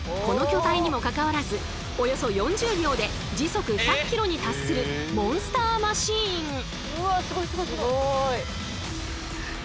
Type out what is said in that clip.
この巨体にもかかわらずおよそ４０秒で時速１００ｋｍに達するモンスターマシーン。